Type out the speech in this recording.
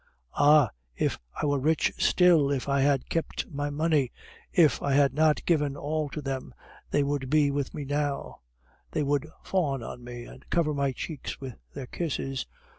"Ah! if I were rich still, if I had kept my money, if I had not given all to them, they would be with me now; they would fawn on me and cover my cheeks with their kisses!